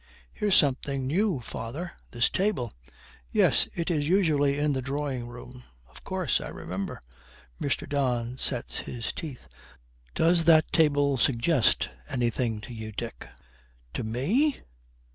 'Here's something new, father; this table.' 'Yes, It is usually in the drawing room.' 'Of course. I remember.' Mr. Don sets his teeth. 'Does that table suggest anything to you, Dick?' 'To me?